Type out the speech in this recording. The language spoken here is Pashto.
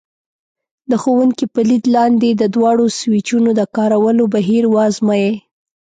د ښوونکي په لید لاندې د دواړو سویچونو د کارولو بهیر وازمایئ.